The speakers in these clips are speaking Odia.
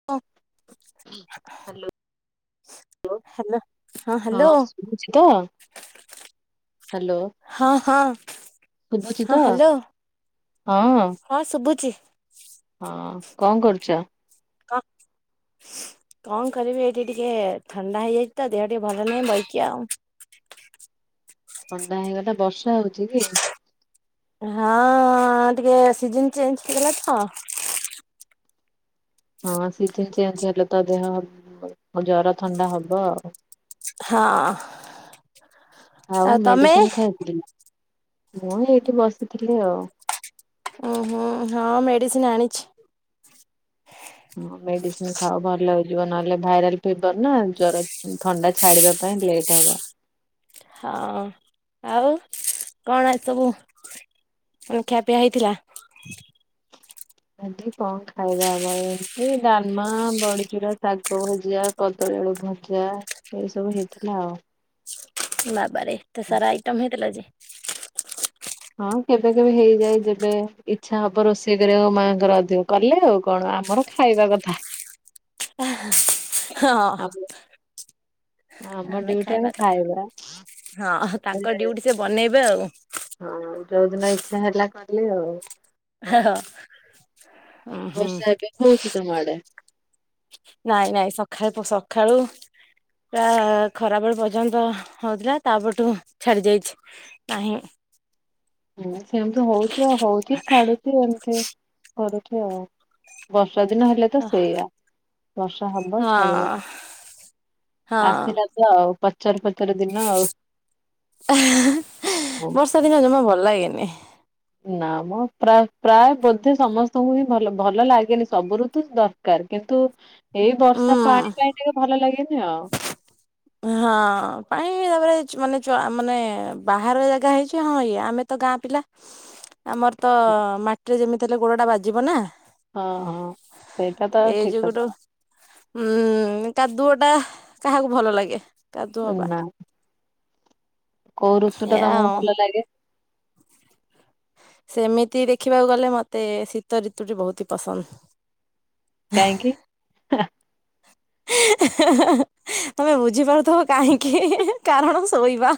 [unintelligible] ହ୍ୟାଲୋ। ହାଲୋ। ହଁ ଶୁଭୁଛି ତ ହ୍ୟାଲୋ। ହଁ ହଁ। ଶୁଭୁଚି ହଁ ତ ହ୍ୟାଲୋ ହଁ! ହଁ ଶୁଭୁଚି। ହଁ କଁ କରୁଚ? କଫ। କଁ କରିବି ଏଇଠି ଟିକେ ଥଣ୍ଡା ହେଇଯାଇ ତ ଦେହ ଟିକେ ଭଲ ନାହିଁ ବଇଚି ଆଉ। ଥଣ୍ଡା ହେଇଗଲା ବର୍ଷା ହଉଛି କି? ହଁ ଟିକେ ସିଜନ୍ ଚେଞ୍ଜ ହେଇଗଲା ତ। ହଁ ସେଜିନ୍ ଚେଞ୍ଜ ହେଲେ ତ ଦେହ [unintelligible] ଜର ଥଣ୍ଡା ହବ ଆଉ। ହଁ! ଆଉ ମେଡିସିନ୍ ଖାଇଥିଲି [unintelligible] ମୁଁ ଏଇଠି ବସିଥିଲି ଆଉ। ଓ ହୁଁ ହଁ ମେଡ଼ିସିନ୍ ଆଣିଛି। ହଁ ମେଡ଼ିସିନ୍ ଖାଅ ଭଲ ହେଇଯିବ ନହେଲେ ଭାଇରାଲ ଫିବର ନା ଜର ଉଁ ଥଣ୍ଡା ଛାଡିବା ପାଇଁ ଲେଟ୍ ହବ। ହଁ ଆଉ କଣ ଆଜି ସବୁ [unintelligible] ଖିଆପିଆ ହେଇଥିଲା। ଆଜି କଁ ଖାଇବା ଆମ ଏମ୍ତି ଡାଲମା, ବଡିଚୁରା, ଶାଗଭଜା କଦଳୀ ଆଳୁ ଭଜା ଏଇ ସବୁ ହେଇଥିଲା ଆଉ। ବାବାରେ ଏତେ ସାରା ଆଇଟମ୍ ହେଇଥିଲା ଆଜି। ହଁ କେବେ କେବେ ହେଇଯାଏ। ଯେବେ ଇଚ୍ଛା ହବ ରୋଷେଇ କରିବା ମାଆଙ୍କର ଅଧିକ କଲେ ଆଉ କଣ ଆମର ଖାଇବା କଥା। ହଁ! ଆମ ଆମେ ଖାଇବା କଥା ହଁ ତାଙ୍କ ଡିଉଟି ସେ ବନେଇବେ ଆଉ। ହଁ ଯୋଉଦିନ ଇଚ୍ଛା ହେଲା କଲେ ଆଉ। ହଁ। ଉଁ ଆଉ ହୁଁ ବର୍ଷା ଏବେ ହଉଚି ତମ ଆଡେ? ନାଇଁ ନାଇଁ ସଖାଳେ ପ ସଖାଳୁ ପ୍ରା ଖରାବେଳ ପର୍ଯ୍ୟନ୍ତ ହଉଥିଲା ତାପରଠୁ ଛାଡି ଯାଇଛି। ନାହିଁ। ହୁଁ ସେମିତ ହଉଚି ଆଉ ହଉଚି ଛାଡୁଚି ଏମ୍ତି କରୁଚି ଆଉ। ବର୍ଷା ଦିନ ହେଲେ ତ ହଁ ସେଇଆ ବର୍ଷା ହବ ଛାଡିବ। ହଁ। ଯାହଉ ପଚାର ପଚାର ଦିନ ଆଉ। ବର୍ଷା ଦିନ ଜମା ଭଲ ଲାଗେନି। ନା ମ ପ୍ରା ପ୍ରାୟ ବୋଧେ ସମସ୍ତଙ୍କୁ ହିଁ ଭଲ ଭଲ ଲାଗେନି ସବୁ ଋତୁ ଦରକାର୍ କିନ୍ତୁ ଏଇ ବର୍ଷା ଉଁ ପାଣି ପାଇଁ ଟିକେ ଭଲ ଲାଗେନି ଆଉ। ହଁ ପାଇଁ ତାପରେ [unintelligible] ମ ମାନେ ବାହାର ଜାଗା ହେଇଛି ହଁ ଇଏ ଆମେ ତ ଗାଁ ପିଲା। ହ ଆମର ତ ମାଟିରେ ଯେମିତି ହେଲେ ଗୋଡଟା ବାଜିବ ନା। ହଁ ହଁ ସେଇଟା ତ ଠିକ୍ କଥା। ହୁଁ କାଦୁଅଟା କାହାକୁ ଭଲ ଲାଗେ କାଦୁଅ କଥା ହବା। ନା କୋଉ ଋତୁ ଟା ଏୟା ତମକୁ ଆଉ। ଭଲ ଲାଗେ ସେମିତି ଦେଖିବାକୁ ଗଲେ ମତେ ଶୀତ ଋତୁଟି ବହୁତ୍ ହି ପସନ୍ଦ। କାହିଁକି? ତମେ ବୁଝିପାରୁଥିବ କାହିଁକି କାରଣ ଶୋଇବା।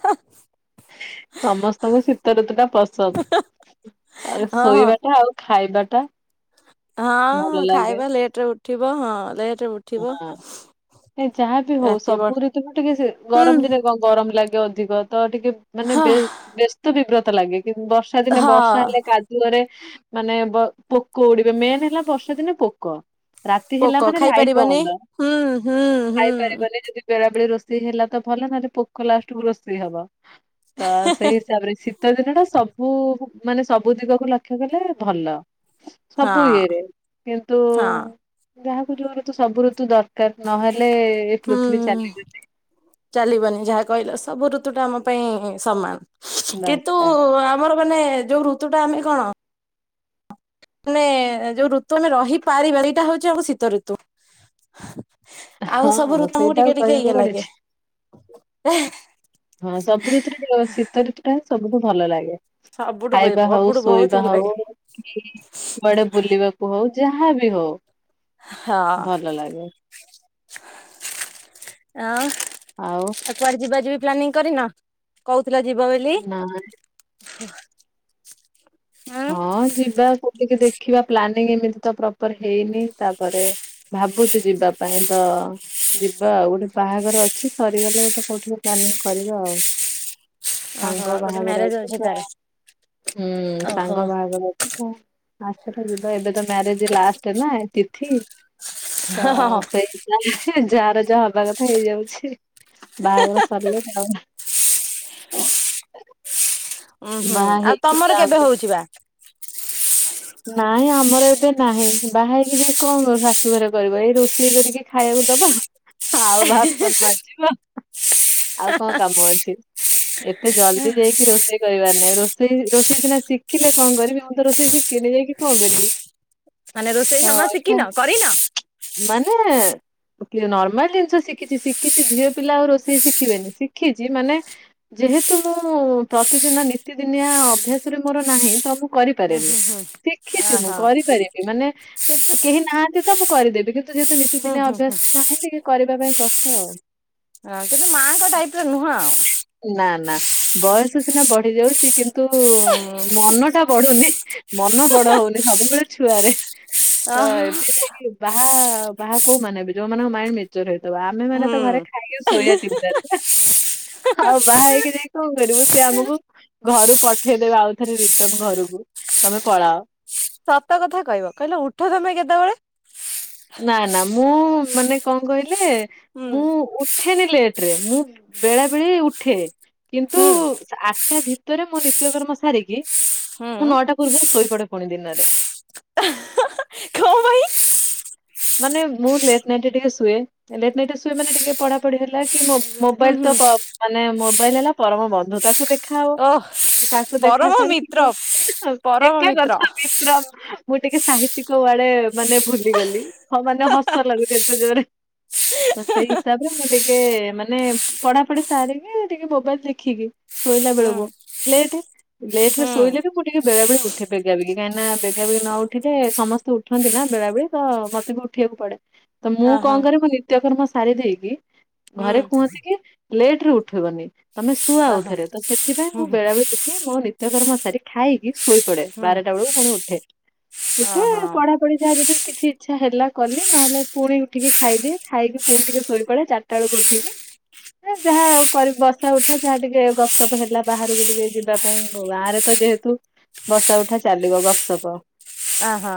[unintelligible] ସମସ୍ତଙ୍କୁ ଶୀତ ଋତୁ ଟା ପସନ୍ଦ। ଆଉ ହଁ ଶୋଇବାଟା ଆଉ ଖାଇବାଟା। ହଁ ହଁ ଭଲ ଲାଗେ ଖାଇବା ଲେଟ ରେ ଉଠିବ ହଁ ଲେଟ ରେ ଉ [unintelligible] ଏ ଯାହାବି ହଉ ରାତି ବଡ ସବୁ ଋତୁକୁ ଟିକେ ହୁଁ ଗରମ ଦିନେ ଗ ଗରମ ଲାଗେ ଅଧିକ ତ ଟିକେ ମାନେ ହଁ ବ୍ୟସ୍ତ ବିବ୍ରତ ଲାଗେ। କିନ୍ତୁ ବର୍ଷା ବର୍ଷା ଦିନେ ହଁ ବର୍ଷା ହେଲେ କାଦୁଅରେ ମାନେ ପୋକ ଉଡିବେ ମେନ୍ ହେଲା ବର୍ଷା ଦିନେ ପୋକ। ରାତି ହେଲା ପୋକ ମାନେ ଲାଇଟ ଖାଇପାରିବନି ବନ୍ଦ। ହୁଁ ହୁଁ ହୁଁ। ଖାଇପାରିବନି ସେ ବି ବେଳାବେଳି ରୋଷେଇ ହେଲା ତ ଭଲ ନହେଲେ ପୋକ ଲାଷ୍ଟକୁ ରୋଷେଇ ହବ। ତ ସେଇ ତାପରେ ଶୀତ ଦିନ ଟା ସବୁ ମାନେ ସବୁ ଦିଗକୁ ଲକ୍ଷ୍ୟ କଲେ ଭଲ। ସବୁ ହଁ ଇଏରେ କିନ୍ତୁ ହଁ ଯାହାକୁ ଯୋର କିନ୍ତୁ ସବୁ ଋତୁ ଦରକାର ନହେଲେ ଏ ହୁଁ। ପୃଥିବୀ ଚାଲିବନି। ଚାଲିବନି ଯାହା କହିଲ ସବୁ ଋତୁ ଟା ଆମ ପାଇଁ ସମାନ। କିନ୍ତୁ ଦରକାର ଆମର ମାନେ ଯୋଉ ଋତୁ ଟା ଆମେ କଣ ମାନେ ଯୋଉ ଋତୁ ଆମେ ରହିପାରିବା ଏଇଟା ହଉଛି ଆମ ଶୀତ ଋତୁ। ଆଉ ସବୁ ହଁ ଋତୁ ମୁଁ ସେଇଟା ଆଉ ଟିକେ ଟିକେ କହିବାକୁ ଇଏ ଲାଗେ। ପଡିଛି। ଏହେ ହଁ ସବୁ ଋତୁରେ ଟିକେ ଶୀତ ଋତୁ ଟା ସବୁଠୁ ଭଲ ଲାଗେ। ସବୁଠୁ ଖାଇବା ହଉ ସବୁଠୁ ବହୁତ ଶୋଇବା ଭଲ ହଉ ଲାଗେ କୁଆଡେ ବୁଲିବାକୁ ହଉ ଯାହାବି ହଉ ହଁ ଭଲ ଲାଗେ। ଆଉ? ଆଉ? କୁଆଡେ ଯିବା ଯିବି ପ୍ଲାନିଂ କରିନ କହୁଥିଲ ଯିବ ବୋଲି? ନାଇଁ ହୁଁ। ହଁ ଯିବା କୋଉଠିକି ଦେଖିବା ପ୍ଲାନିଂ ଏମିତି ତ ପ୍ରପର ହେଇନି ତାପରେ ଭାବୁଛୁ ଯିବା ପାଇଁ ତ ଯିବା ଆଉ ଗୋଟେ ବାହାଘର ଅଛି ସରିଗଲେ ଗୋଟେ କୋଉଠି ପ୍ଲାନିଂ କରିବା ଆଉ। ଓହୋ ସାଙ୍ଗ ଗୋଟେ ବାହାଘର ମ୍ୟାରେଜ ଅଛି ତାର। ତ ଅଛି ହୁଁ। ଓହୋ [unintelligible] ଆସ ଯିବା ଏବେ ତ ମ୍ୟାରେଜ ଲାଷ୍ଟ ନା ତିଥି ହ ହଁ ହଁ ସେଇ ଯାହାର ଯାହା ହବା କଥା ହେଇଯାଉଛି। ବାହାଘର ସରିଲେ [unintelligible] ଉଁ ହୁଁ ବାହା ଆଉ ହେଇକି ତମର କେବେ ଯାଆନ୍ତୁ। ହଉଛି ବା? ନାଇଁ ଆମର ଏବେ ନାହିଁ ବାହା ହେଇକି ଯାଇ କଣ ଶାଶୁଘରେ କରିବ ଏଇ ରୋଷେଇ କରିକି ଖାଇବାକୁ ଦବ। ଆଉ ବାସନ ମାଜିବ ଆଉ କଣ କାମ ଅଛି। ଏତେ ଜଲଦି ଯାଇକି ରୋଷେଇ କରିବାର ନାହିଁ ରୋଷେଇ ରୋଷେଇ ସିନା ଶିଖିଲେ କଣ କରିବି ମୁଁ ତ ରୋଷେଇ ଶିଖି ଖିନି ଯାଇକି କଣ କରିବି? ମାନେ ରୋଷେଇ ତ ଜମା ଶିଖିନ କରିନ? ମାନେ କି ନର୍ମାଲ ଜିନିଷ ଶିଖିଛି ଶିଖିଛି ଝିଅ ପିଲା ଆଉ ରୋଷେଇ ଶିଖିବେନି ଶିଖିଛି ମାନେ ଯେହେତୁ ମୁଁ ପ୍ରତିଦିନ ନିତିଦିନିଆ ଅଭ୍ୟାସରେ ମୋର ନାହିଁ ତ ମୁଁ ହୁଁ କରିପାରେନି। ହୁଁ ହୁଁ ଶିଖିଛି ମୁଁ ଓହୋ। କରିପାରିବି ମାନେ ହୁଁ କେହି ନାହାନ୍ତି ତ ମୁଁ କରିଦେବି କିନ୍ତୁ ଯେହେତୁ ନିତ ନିତିଦିନିଆ ହୁଁ ହୁଁ ଅଭ୍ୟାସ ଟି ନାହିଁ ଟିକେ କରିବା ପାଇଁ କଷ୍ଟ ଆଉ। ମାଙ୍କ ଟାଇପ ର ନୁହଁ ଆଉ। ନା ନା। ବୟସ ସିନା ବଢି ଯାଉଛି କିନ୍ତୁ ମନ ଟା ବଢୁନି। ମନ ବଡ ହଉନି ସବୁବେଳେ ଛୁଆରେ ତ ଏବେ ଯାଇକି ବାହା ବାହା କୋଉମାନେ ହେବେ ଯୋଉମାନଙ୍କ ମାଇଣ୍ଡ ମେଚୁର ହେଇଥିବ ଆମେ ମାନେ ହୁଁ ତ ଘରେ ଖାଇକି ଶୋଇବା ଚିନ୍ତାରେ ଆଉ ବାହା ହେଇକି ଯାଇକି କଣ କରିବୁ। ସେ ଆମକୁ ଘରୁ ପଠେଇଦବେ ଆଉ ଥରେ ରିଟନ୍ ଘରକୁ ତମେ ପଳାଅ। ସତ କଥା କହିବ କହିଲ ଉଠ ତମେ କେତେବେଳେ। ନାଁ ନାଁ ମୁଁ ମାନେ କଣ କହିଲେ ହୁଁ ମୁଁ ଉଠେନି ଲେଟରେ ମୁଁ ବେଳେ ବେଳେ ଉଠେ। କିନ୍ତୁ ହୁଁ ଆଠଟା ଭିତରେ ମୋ ନିତ୍ୟକର୍ମ ସାରିକି ମୁଁ ହୁଁ ନଅଟା ପୂର୍ବରୁ ଶୋଇପଡ଼େ ପୁଣି ଦିନରେ। କଣ ପାଇଁ ମାନେ ମୁଁ ଲେଟ୍ ନାଇଟରେ ଟିକେ ଶୁଏ। ଲେଟ୍ ନାଇଟରେ ଶୁଏ ମାନେ ଟିକେ ପଢ଼ାପଢ଼ି ହେଲା କି ମୋ ହୁଁ ମୋବାଇଲ ତ ହୁଁ ପ ମାନେ ମୋବାଇଲ ହେଲା ପରମ ବନ୍ଧୁ। ତାକୁ ଦେଖ ଖାଅ ଓଃ ତାକୁ ଦେଖା ପରମ ସାରିକି ମିତ୍ର ଟିକେ ପରମ ଏକା ମିତ୍ର। କଥା ବି। [unintelligible] ମୁଁ ଟିକେ ସାହିତିକ ୱାର୍ଡ ମାନେ ଭୁଲିଗଲି। ହଁ ମାନେ ହସ ଲାଗୁଚି ଏତେ ଜୋରେ ତ ସେଇ ହିସାବରେ ମୁଁ ଟି ଟିକେ ମାନେ ପଢ଼ାପଢ଼ି ସାରିକି ଟିକେ ମୋବାଇଲ ଦେଖିକି ଶୋଇଲା ହୁଁ ବେଳକୁ ଲେଟ୍ ଲେଟରେ ହୁଁ। ଶୋଇଲେ ବି ମୁଁ ଟିକେ ବେଳା ବେଳି ଉଠେ ବେଗା ବେଗି କାହିଁକି ନାଁ ବେଗା ବେଗି ନ ଉଠିଲେ ସମ ସମସ୍ତେ ଉଠନ୍ତି ନା ବେଳା ବେଳି ତ ମତେ ବି ଉଠିବାକୁ ପଡ଼େ। ତ ମୁଁ ଓହୋ କଣ କରେ ମୋ ନି ନିତ୍ୟକର୍ମ ସାରି ଦେଇକି ଘରେ କୁହନ୍ତି କି ଲେଟରେ ଉଠିବନି। ତମେ ଶୁଅ ଆଉ ଓହୋ ଥରେ ତ ସେଥିପାଇଁ ମୁଁ ବେଳା ବେଳି ଉଠି ମୋ ନିତ୍ୟକର୍ମ ସାରି ଖାଇକି ଶୋଇ ପଡ଼େ। ଓହୋ। ବାରଟା ବେଳକୁ ପୁଣି ଉଠେ ଉଠେ ଓହୋ ପଢ଼ାପଢ଼ି ଯାହା ଯଦି କିଛି ଇଛ୍ ଇଛା ହେଲା କଲି ନହେଲେ ପୁଣି ଉଠିକି ଖାଇଦିଏ। ଖାଇକି ପୁଣି ଟିକେ ଶୋଇ ପଡ଼େ। ଚାରିଟା ବେଳକୁ ଉଠିକି ମାନେ ଯାହା କରି ବସା ଉଠା ଯାହା ଟିକେ ଗପସପ୍ ହେଲା ବାହାରକୁ ଟିକେ ଯିବା ପାଇଁ କୁ ଗାଁରେ ତ ଯେହେତୁ ବସା ଉଠା ଚାଲିବ ଗପସପ। ଓହୋ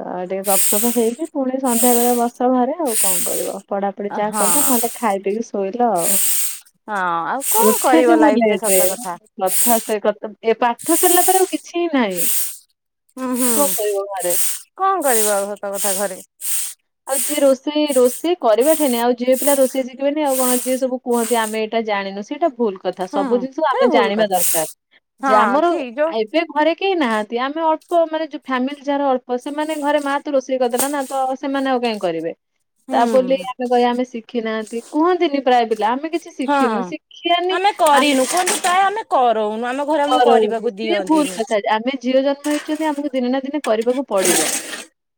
ତ ଟିକେ ଗପସପ ହେଇକି ପୁଣି ସନ୍ଧ୍ୟା ବେଳେ ବସ ଘରେ ଆଉ କଣ କରିବ। ପଢ଼ାପଢ଼ି ଯାହା କଲ ନହେଲେ ଖାଇ ପିଇକି ଶୋଇଲ। ଆଉ କଣ କରିବ ଉଠେନି ମୁଁ ଲାଇଫ ରେ ସତ ଲେଟରେ କଥା। ନତ୍ କଥା ସେ କଥା ଏ ପାଠ ସରିଲା ପରେ ଆଉ କିଛି ନାହିଁ। ହୁଁ ହୁଁ କଣ କରିବ ଘରେ? କଣ କରିବ ଆଉ ସତ କଥା ଘରେ। ଆଉ ଯିଏ ରୋଷେଇ ରୋଷେଇ କରିବା ଠେନି ଆଉ ଯେ ପିଲା ରୋଷେଇ ଶିଖିବେନି ଆଉ କଣ ଯିଏ ସବୁ କୁହନ୍ତି ଆମେ ଏଇଟା ଜାଣିନୁ ସେଟା ଭୁଲ୍। କଥା ହୁଁ ସବୁ ଜିନିଷ ଏଟା ଆମେ ଭୁଲ ଜାଣିବା କଥା। ଦରକାର। ଯେ ହଁ ଆମର ଠିକ ଯୋଉ ଆଇପ୍ ଏବେ ଘରେ କେହି ନାହାନ୍ତି? ଆମେ ଅଳ୍ପ ମାନେ ଯୋଉ ଫ୍ୟାମିଲି ଯାହାର ଅଳ୍ପ ସେମାନେ ଘରେ ମା ତ ରୋଷେଇ ରୋଷେଇ କରିଦେଲା ନା ତ ସେମାନେ ଆଉ କାହିଁ କରିବେ। ତା ବୋଲି ହୁଁ ଆମେ କହବା ଆମେ ଶିଖିନାହାନ୍ତି କୁହନ୍ତିନି। ପ୍ରାୟ ପିଲା ଆମେ କିଛି ହଁ ଶିଖିନୁ ଶିଖିବାନି ଆମେ କରିନୁ କୁହନ୍ତି ପ୍ରାୟ ଆମେ କରଉନୁ। ଆମ ଘରେ ମୁଁ କରନ୍ତି। କରିବାକୁ ସିଏ ଭୁଲ ଦିଅନ୍ତିନି କଥା ଆମେ ଝିଅ ଜନ୍ମ ହେଇଛନ୍ତି ଆମକୁ ଦିନେ ନା ଦିନେ କରିବାକୁ ପଡ଼ିବ।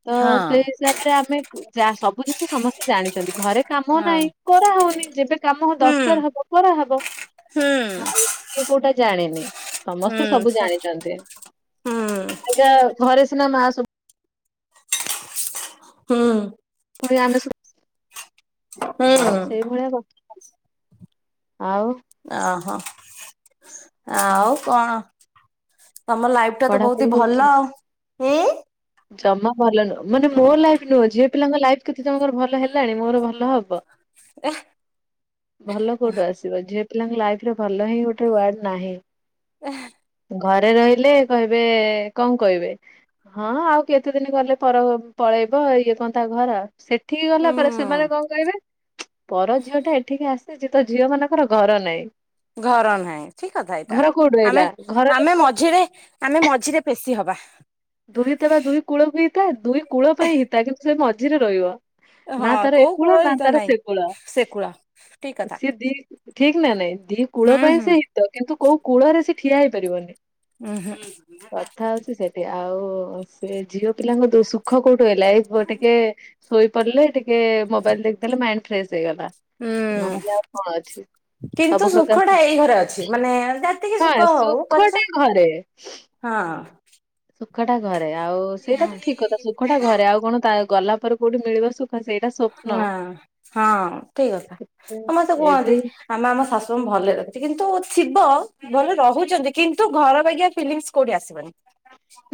ତ ହଁ ସେଇ ହିସାବରେ ଏଠାରେ ଆମେ ଚା ସବୁ ଜିନିଷ ସମସ୍ତେ ଜାଣିଚନ୍ତି। ଘରେ କାମ ନାହିଁ ହଁ କରାହଉନି। ଯେବେ କାମ ହୁଁ ଦରକାର ହବ କରାହବ ହୁଁ ଆଉ। କିଏ କୋଉଟା ଜାଣିନି? ହୁଁ ସମସ୍ତେ ସବୁ ସ ଜାଣିଚନ୍ତି। ହୁଁ। ଆଜ୍ଞା ଘରେ ସିନା ମା ସବୁ ହୁଁ ପୁଣି ଆମେ ସବୁ ଆଉ ହୁଁ ସେଇଭଳିଆ କ ଆଉ ଓହୋ ଆଉ କଣ ତମ ଲାଇଫ୍ ଏଟା ତ ବହୁତ ପଢାପଢି ହିଁ ହଉଛି। ଭଲ ‌। ଇଁ ଜମା ଭଲ ନୁହଁ ମାନେ ମୋ ଲାଇଫ୍ ନୁହଁ ଝିଅ ପିଲାଙ୍କ ଲାଇଫ୍ କେତେ ଜଣଙ୍କର ଭଲ ହେଲାଣି ମୋର ଭଲ ହବ। ଏହା ଭଲ କୋଉଠୁ ଆସିବ ଝିଅ ପିଲାଙ୍କ ଲାଇଫରେ ଭଲ ହିଁ ଗୋଟେ ୱାର୍ଡ ନାହିଁ। ଘରେ ରହିଲେ କହିବେ କଣ କହିବେ? ହଁ ଆଉ କେତେ ଦିନି ଗଲେ ପର ଘ ପଳେଇବ ଇଏ କଣ ତା ଘର ଆଉ? ସେଠିକି ଗଲା ପରେ ସେମାନେ ହୁଁ କଣ କହିବେ? ପର ଝିଅ ଟା ଏଠିକି ଆସିଚି ତ ଝିଅ ମାନଙ୍କର ଘର ନାଇଁ। ଘର ନାହିଁ ଠିକ କଥା ଏଇଟା କୋଉଠି ରହିଲା ଆମେ ଘର ଆମେ ଲୋକ ମଝିରେ ଆମେ ମଝିରେ ପେଶି ହବା। ଦୁହିତା ବା ଦୁଇ କୂଳକୁ ହିତା ଦୁଇ କୂଳ ପାଇଁ ହିତା କିନ୍ତୁ ସେ ମଝିରେ ରହିବ। ନା ହଁ ତାର ଏ କୋଉ କୂଳ ନା ହିତ ତାର ନାଇଁ ସେ କୂଳ ସେ କୂଳ ଠିକ କଥା ସିଏ ଦି ଠିକ୍ ନା ନାଇଁ ଦି କୂଳ ହୁଁ ପାଇଁ ହୁଁ। ସେ ହିତ କିନ୍ତୁ କୋଉ କୂଳରେ ସେ ଠିଆ ହେଇପାରିବନି? ଉଁ ହୁଁ କଥା ହଉଚି ସେଠି ଆଉ ଉ ଉ ସେ ଝିଅ ପିଲାଙ୍କ ଦୋ ସୁଖ କୋଉଠୁ ହେଲା ଏଇ ପୁଅ ଟିକେ ଶୋଇପଡ଼ିଲେ ଟିକେ ମୋବାଇଲ୍ ଦେଖିଦେଲେ ମାଇଣ୍ଡ ଫ୍ରେଶ୍ ହେଇଗଲା ଉଁ ନହେଲେ ଆଉ କଣ ଅଛି? କିନ୍ତୁ ସବୁ ପ୍ରକାର ସୁଖ ଟା ସୁ ଏଇ ଘରେ ଅଛି ମାନେ ଯେତିକି ହଁ ସୁଖ ହଉ ପଛେ ସୁଖଟା ଘରେ। ହଁ। ସୁଖଟା ଘରେ ଆଉ ସେଇଟା ତ ଠିକ୍ କଥା ସୁଖଟା ଘରେ ଆଉ କଣ ତା ଗଲା ଉପରୁ କୋଉଠୁ ମିଳିବ ସୁଖ ସେଇଟା ସ୍ଵ ନା ହଁ ଠିକ୍ କଥା ସମସ୍ତେ ଏବେ କୁହନ୍ତି ଆମେ ଆମ ଶାଶୁଙ୍କୁ ଭଲରେ ରଖିଚୁ କିନ୍ତୁ ଛିବ ଭଲ ରହୁଚନ୍ତି କିନ୍ତୁ ଘର ବାଗିଆ ଫିଲିଙ୍ଗସ କୋଉଠି ଆସିବନି।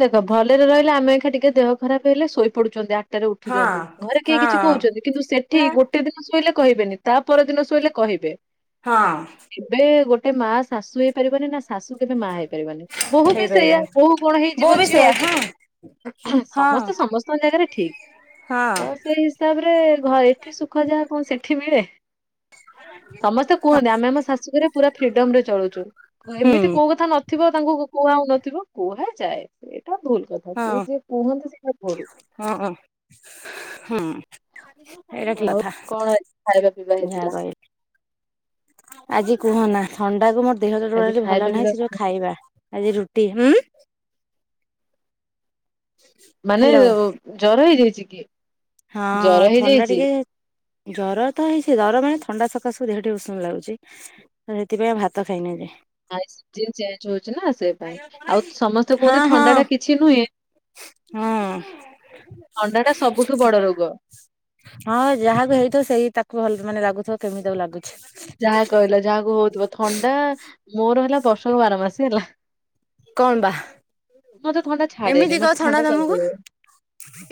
ଦେଖ ଭଲେରେ ରହିଲେ ଆମେ ଏଖା ଟିକେ ଦେହ ଖରାପେ ହେଲେ ଶୋଇ ପଡୁଚନ୍ତି ଆଠ ଟାରେ ହଁ ଉଠୁଚନ୍ତି ଘରେ କେହି କିଛି ହଁ। କହୁଚନ୍ତି କିନ୍ତୁ ସେଠି ନା ଗୋଟ ଗୋଟେ ଦିନ ଶୋଇଲେ କହିବେନି ତା ପରଦିନ ଶୋଇଲେ କହିବେ। ହଁ। କେବେ ଗୋଟେ ମା ଶାଶୁ ହେଇପାରିବନି ନା ଶାଶୁ କେବେ ମା ହେଇପାରିବନି ବୋହୁ ବି ସେଇଆ ହେଇପାରିବନି ବୋହୁ କଣ ହେଇ ବୋଉ ଯିବ ବି ଝିଅ ସେଇଆ ହଁ ଏକସାଙ୍ଗେ ହେଁ ହଁ ସମସ୍ତେ ସମସ୍ତଙ୍କ ଜାଗାରେ ଠିକ୍ ତ ହଁ ସେଇ ହିସାବରେ ଘ ଏଠି ସୁଖ ଯାହା କଣ ସେଠି ମିଳେ? ସମସ୍ତେ କୁହନ୍ତି ଆମେ ଆମ ଶାଶୁଘରେ ପୁରା ଫ୍ରିଡମ ରେ ଚଳୁଚୁ କୁହ ହେମିତି କୋଉ ହଁ କଥା ନ ଥିବ ତାଙ୍କୁ କୁ କୁ କୁହା ହଉ ନଥିବ କୁହାଯାଏ ସେଇଟା ଭୁଲ କଥା ସେ ଯିଏ କୁହନ୍ତି ସେଇଟା ଭୁଲ। ହଁ ହୁଁ। ଏଇଟା କି ଆଉ ଲଥା କଣ ଆଜି ଖାଇବା ପିଇବା ଯାହା ହେଇଥିଲା? କହି ଆଜି କୁହନା ଥଣ୍ଡା କୁ ମୋ ଦେହ ତ ଆଜି ଟୋଟାଲି ଖାଇବା ଭଲ ନାହିଁ ପିଇବା ସେ କଣ? ଯୋଉ ଖାଇବା ଆଜି ରୁଟି ଉଁ ମାନେ ହ୍ୟାଲୋ ଯୋଉ ଜର ହେଇଯାଇଚି କି? ହଁ ଜର ହଁ ଥଣ୍ଡା ହେଇଯାଇଛି ଟିକେ ଜର ତ ହେଇଚି ଜର ମାନେ ଥଣ୍ଡା ସକାସ କୁ ଦେହ ଟିକେ ଉଷୁମ ଲାଗୁଚି। ତ ହେଥିପାଇଁ ଆଉ ଭାତ ଖାଇନି ଏବେ। ଆ ଏ ସିଜିନ ଚେଞ୍ଜ ହଉଚି ନା ସେ ପାଇଁ ଆଉ ସମସ୍ତେ ହଁ କୁହନ୍ତି ଥଣ୍ଡା ଟା କିଛି ନୁହେଁ ଥଣ୍ଡା ଟା ସବୁଠୁ ବଡ ରୋଗ ହଁ। ହଁ ଯାହାକୁ ହେଇଥବ ସେଇ ତାକୁ ଭଲ ମାନେ ଲାଗୁଥୁବ କେମିତି ତାକୁ ଲାଗୁଛି। ଯାହା କହିଲ ଯାହାକୁ ହଉଥୁବ ଥଣ୍ଡା ମୋର ହେଲା ବର୍ଷକ ବାର ମାସି ହେଲା? କଣ ବା ମତେ ଥଣ୍ଡା ଏମିତି ଛାଡ଼େନି କଣ ମତେ ଥଣ୍ଡା ତମକୁ ସବୁବୋଳେ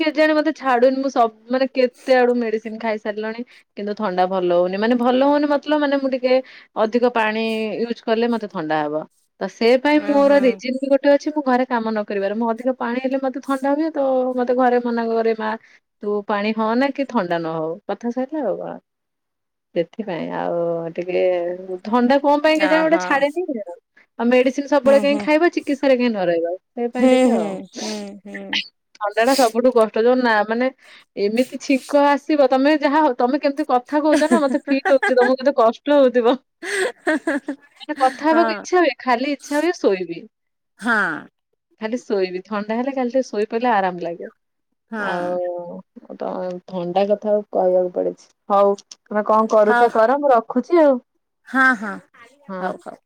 କେଜାଣି ମତେ ଛାଡୁନି ମୁଁ ସବୁ ମାନେ କେତେ ଆଡୁ ମେଡିସିନ ଖାଇସାରିଲଣି। କିନ୍ତୁ ଥଣ୍ଡା ଭଲ ହଉନି। ମାନେ ଭଲ ହଉନି ମତଲବ ମାନେ ମୁଁ ଟିକେ ଅଧିକ ପାଣି ୟୁଜ୍ କଲେ ମତେ ଥଣ୍ଡା ହବ ତ ସେ ପାଇଁ ହୁଁ ମୋର ହୁଁ ରିଜିନ ବି ଗୋଟେ ଗୋଟେ ଅଛି ମୁଁ ଘରେ କାମ ନ କରିବାର। ମୁଁ ଅଧିକ ପାଣି ହେଲେ ମତେ ଥଣ୍ଡା ହୁଏ ତ ମତେ ଘରେ ମନା କରେ ମା ତୁ ପାଣି ହନା କି ଥଣ୍ଡା ନ ହଉ କଥା ସାରିଲା ଆଉ କଣ, ସେଥିପାଇଁ। ଆଉ ଟିକେ ଥଣ୍ଡା କଣ ପାଇଁ କେଜାଣି ଗୋଟେ ଓହୋ ଛାଡେନି ଆଉ। ଆଉ ମେଡିସିନ ହୁଁ ସବୁବେଳେ କାଇଁ ହୁଁ ଖାଇବା ଚିକିତ୍ସାରେ କାଇଁ ନ ରହିବା ସେଇ ହୁଁ ପାଇଁ ଟିକେ ହୁଁ ହୁଁ ଆଉ। ଥଣ୍ଡା ଟା ସବୁଠୁ କଷ୍ଟ, ଯୋଉ ନା ମାନେ ଏମିତି ଛିଙ୍କ ଆସିବ ତମେ ଯାହା ତମେ କେମିତି କଥା କହୁଛ ନା ମତେ ଫିଲ୍ ହଉଛି ତମକୁ କେତେ କଷ୍ଟ ହଉଥିବ। ହୁଁ। ମାନେ କଥା ହଁ ହବାକୁ ଇଚ୍ଛା ହୁଏ, ଖାଲି ଇଚ୍ଛା ହୁଏ ଶୋଇବି। ହଁ ଖାଲି ଶୋଇବି। ଥଣ୍ଡା ହେଲେ ଖାଲି ଟିକେ ଶୋଇ ପଇଲେ ଆରାମ ଲାଗିବ। ହଁ ଆଉ ତ ଥଣ୍ଡା କଥା ଆଉ କହିବାକୁ ପଡିଛି। ହଉ ତୁମେ କଣ କରୁଛ? ହଉ ହଁ ମୁଁ ରଖୁଛି ଆଉ। ହଁ ହଁ, ହଁ। ହଉ ହଉ।